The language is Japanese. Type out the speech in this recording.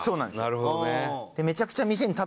なるほどね。